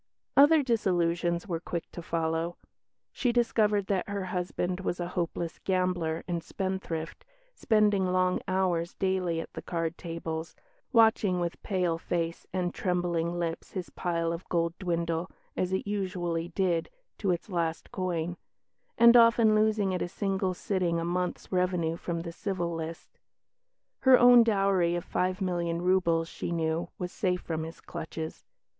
Other disillusions were quick to follow. She discovered that her husband was a hopeless gambler and spendthrift, spending long hours daily at the card tables, watching with pale face and trembling lips his pile of gold dwindle (as it usually did) to its last coin; and often losing at a single sitting a month's revenue from the Civil List. Her own dowry of five million roubles, she knew, was safe from his clutches.